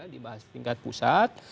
dibahas di tingkat pusat